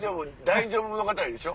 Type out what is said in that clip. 大丈夫物語。